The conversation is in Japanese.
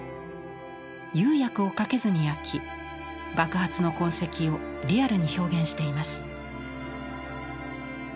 釉薬をかけずに焼き爆発の痕跡をリアルに表現しています。